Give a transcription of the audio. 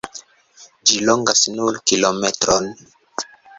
Ĝi longas nur kilometron.